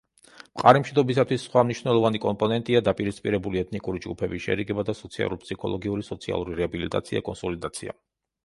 მყარი მშვიდობისთვის სხვა მნიშვნელოვანი კომპონენტია დაპირისპირებული ეთნიკური ჯგუფების შერიგება და სოციალურ-ფსიქოლოგიური სოციალური რეაბილიტაცია კონსოლიდაცია.